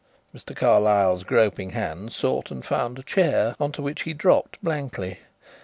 Mr. Carlyle's groping hand sought and found a chair, on to which he dropped blankly.